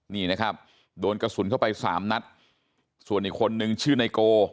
นี่นะครับโดนกระสุนเข้าไปสามนัดส่วนอีกคนนึงชื่อไนโก